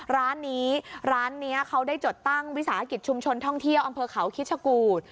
ร้านนี้ร้านนี้เขาได้จดตั้งวิสาหกิจชุมชนท่องเที่ยวอำเภอเขาคิชกูธ